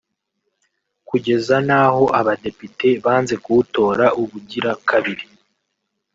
kugeza n’aho abadepite banze kuwutora ubugira kabiri